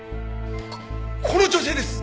この女性です！